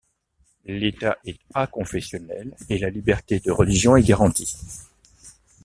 L'État est a-confessionnel et la liberté de religion est garantie.